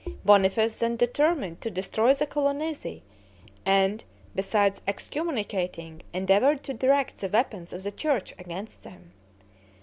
Boniface then determined to destroy the Colonnesi, and, besides excommunicating, endeavored to direct the weapons of the church against them.